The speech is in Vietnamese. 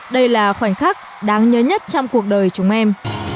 đây là khoảnh khắc đáng nhớ nhất trong cuộc đời chúng em